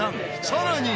さらに。